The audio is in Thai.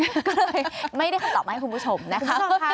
ก็เลยไม่ได้คำตอบมาให้คุณผู้ชมนะคะ